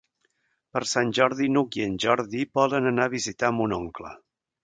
Per Sant Jordi n'Hug i en Jordi volen anar a visitar mon oncle.